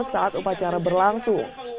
saat upacara berlangsung